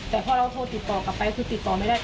แต่พอเราโทรติดต่อกลับไปคือติดต่อไม่ได้